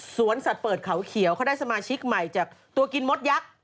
สวนสัตว์เปิดเขาเขียวเขาได้สมาชิกใหม่จากตัวกินมดยักษ์